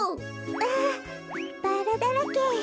わあバラだらけ。